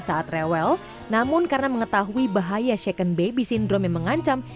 saat rewel namun karena mengetahui bahaya second baby syndrome yang mengancam